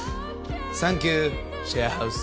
サンキューシェアハウス！